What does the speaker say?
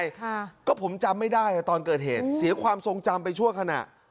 ค่ะก็ผมจำไม่ได้อ่ะตอนเกิดเหตุเสียความทรงจำไปชั่วขณะ